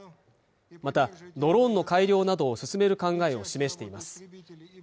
またドローンの改良などを進める考えを示しています